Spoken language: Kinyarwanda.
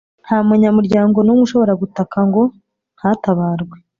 nta munyamuryango n umwe ushobora gutaka ngo ntatabarwe